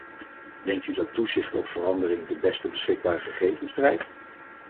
Denkt u dat toezicht op verandering de beste beschikbare gegevens vereist?